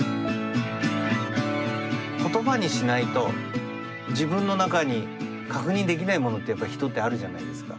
言葉にしないと自分の中に確認できないものってやっぱ人ってあるじゃないですか。